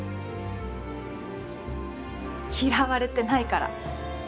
嫌われてないから。